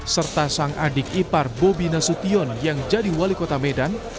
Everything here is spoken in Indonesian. serta sang adik ipar bobi nasution yang jadi wali kota medan